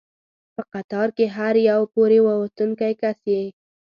په قطار کې هر یو پورې ووتونکی کس یې.